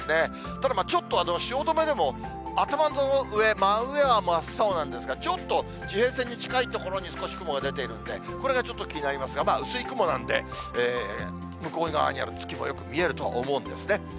ただちょっと、汐留でも頭の上、真上は真っ青なんですが、ちょっと地平線に近い所に少し雲が出ているんで、これがちょっと気になりますが、薄い雲なんで、向こう側にある月もよく見えると思うんですね。